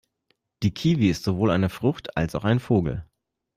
Die Kiwi ist sowohl eine Frucht, als auch ein Vogel.